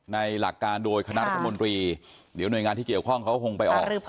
หลักการโดยคณะรัฐมนตรีเดี๋ยวหน่วยงานที่เกี่ยวข้องเขาคงไปออก